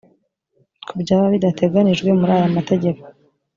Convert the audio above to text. kubyaba bidateganijwe muri aya mategeko